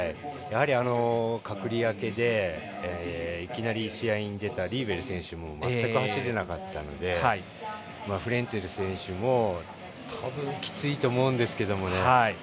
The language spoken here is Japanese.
やはり、隔離明けでいきなり試合に出たリーベル選手もまったく走れなかったのでフレンツェル選手もきついと思うんですけどね。